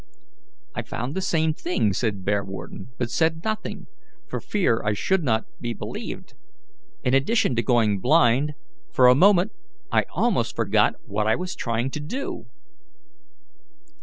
"I found the same thing," said Bearwarden, "but said nothing, for fear I should not be believed. In addition to going blind, for a moment I almost forgot what I was trying to do."